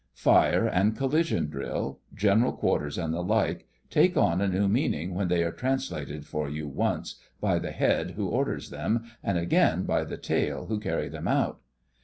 Fire and collision drill, general quarters and the like take on new meaning when they are translated for you once, by the Head who orders them and again by the tail who carry them out.